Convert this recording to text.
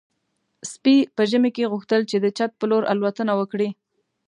سپي په ژمي کې غوښتل چې د چت په لور الوتنه وکړي.